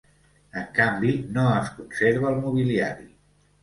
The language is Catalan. En canvi, no es conserva el mobiliari.